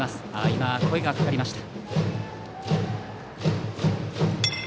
今、声がかかりました。